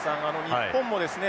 日本もですね